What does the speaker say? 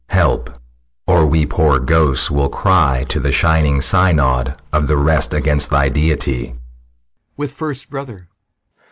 Help! Or we poor ghosts will cry To th' shining synod of the rest Against thy deity.